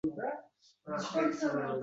tarbiyalash yo'lidan boradi.